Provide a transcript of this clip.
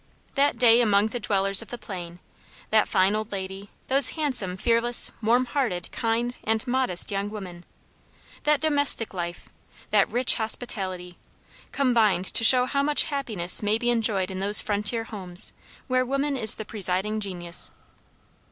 That day among the dwellers of the plain; that fine old lady; those handsome, fearless, warm hearted, kind, and modest young women; that domestic life; that rich hospitality, combined to show how much happiness may be enjoyed in those frontier homes, where woman is the presiding genius.